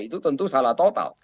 itu tentu salah total